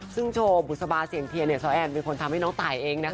ซึ่งโชว์บุษบาเสียงเทียนสแอนเป็นคนทำให้น้องตายเองนะคะ